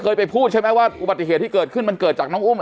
เคยไปพูดใช่ไหมว่าปฏิเสธที่เกิดขึ้นมันเกิดจากน้องอุ้ม